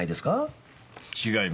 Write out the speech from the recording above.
違います。